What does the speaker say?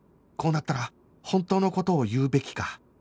こうなったら本当の事を言うべきか？